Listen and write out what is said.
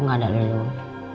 gak ada leluhur